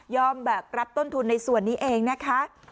แบกรับต้นทุนในส่วนนี้เองนะคะ